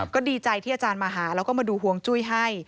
ก็ดีใจที่อาจารย์มาหาแล้วก็มาดูห่วงจุ้ยให้